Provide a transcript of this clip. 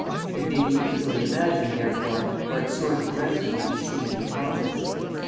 It may be easily imagined, therefore, what sort of residue the stream deposits.